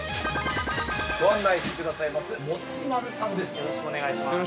◆ご案内してくださいます持丸さんです。